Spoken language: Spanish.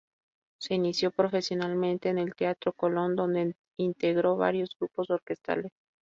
Se inició profesionalmente en el Teatro Colón donde integró varios grupos orquestales.